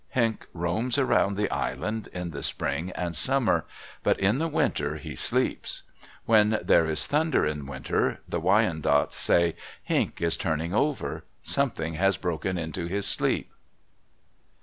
Henq roams around the island, in the spring and summer; but in the winter he sleeps. When there is thunder in winter, the Wyandots say, "Henq is turning over. Something has broken into his sleep."